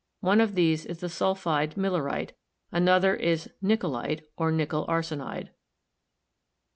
One of these is the sulphide millerite ; an other is niccolite, or nickel arsenide.